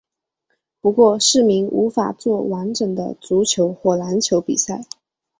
不过市民无法作完整的足球或篮球比赛。